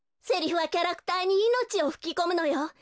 セリフはキャラクターにいのちをふきこむのよ。